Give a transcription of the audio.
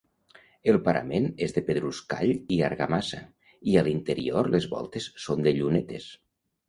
El parament és de pedruscall i argamassa, i a l'interior les voltes són de llunetes.